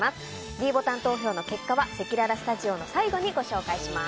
ｄボタン投票の結果はせきららスタジオの最後にご紹介します。